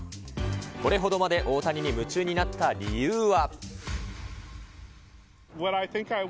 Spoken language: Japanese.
これほどまで大谷に夢中になった理由は。